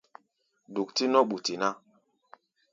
Duk-tí nɔ́ ɓuti ná.